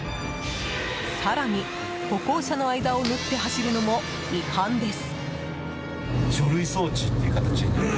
更に、歩行者の間を縫って走るのも違反です。